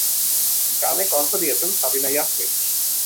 গানে কণ্ঠ দিয়েছেন সাবিনা ইয়াসমিন।